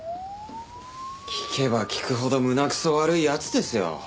聞けば聞くほど胸くそ悪い奴ですよ。